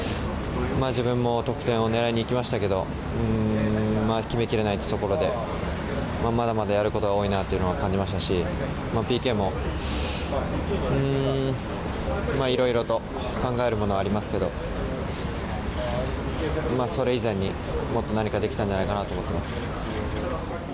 自分も得点を狙いに行きましたけど決めきれなくてまだまだやることは多いなと感じましたしＰＫも、いろいろと考えるものはありますけどそれ以前にもっと何かできたんじゃないかんと思っています。